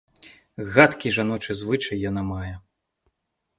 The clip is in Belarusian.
Гадкі жаночы звычай яна мае.